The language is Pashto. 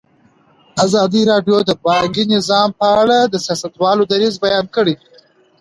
ازادي راډیو د بانکي نظام په اړه د سیاستوالو دریځ بیان کړی.